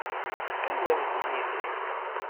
Qqimemt yid-i.